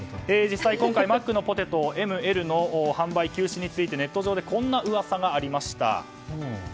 実際、今回マックのポテトＭ、Ｌの販売休止についてネット上でこんな噂がありました。